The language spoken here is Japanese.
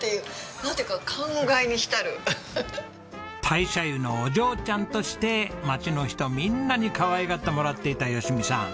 大社湯のお嬢ちゃんとして町の人みんなにかわいがってもらっていた淑美さん。